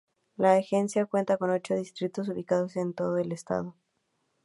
La agencia cuenta con ocho distritos ubicados en todo el estado.